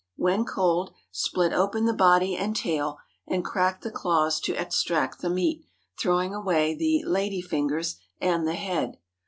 When cold, split open the body and tail, and crack the claws to extract the meat, throwing away the "lady fingers" and the head.